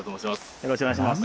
よろしくお願いします